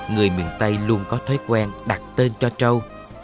người miền tây luôn có thói quen đặt tên cho trâu